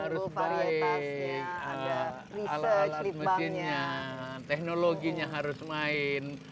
ada alat alat mesinnya teknologinya harus main